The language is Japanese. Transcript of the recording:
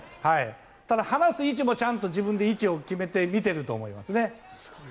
ただ、離す位置もちゃんと位置を決めて見てると思いますね。